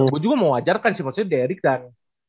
gue juga mau wajarkan sih maksudnya derick dan